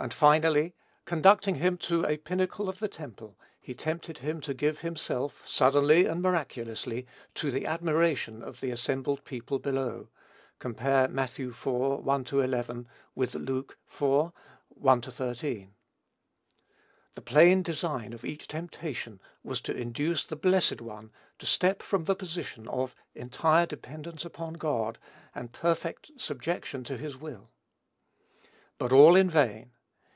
And, finally, conducting him to a pinnacle of the temple, he tempted him to give himself, suddenly and miraculously, to the admiration of the assembled people below. (Comp. Matt. iv. 1 11 with Luke iv. 1 13.) The plain design of each temptation was to induce the Blessed One to step from the position of entire dependence upon God, and perfect subjection to his will. But all in vain.